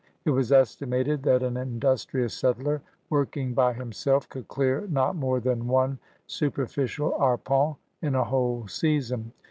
It was estimated that an industrious settler, working by himself, could dear not more than one super ficial arpeni in a whole season.